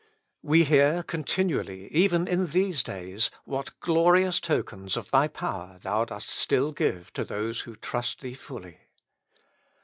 We hear continu ally even in these days what glorious tokens of Thy power Thou dost still give to those who trust Thee fully.